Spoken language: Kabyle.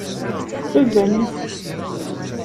Tettazalemt.